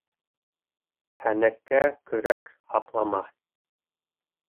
Һәнәккә көрәк һаплама.